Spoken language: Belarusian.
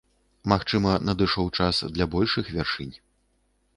Магчыма, надышоў час для большых вяршынь.